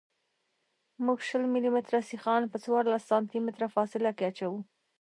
موږ شل ملي متره سیخان په څوارلس سانتي متره فاصله کې اچوو